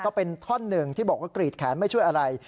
ก็เป็นท่อนหนึ่งที่บอกว่ากรีดแขนไม่ช่วยอะไร